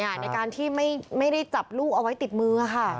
ในการที่ไม่ได้จับลูกเอาไว้ติดมือค่ะ